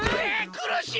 くるしい！